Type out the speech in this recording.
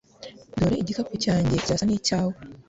Dore igikapu cyanjye kirasa nicyawe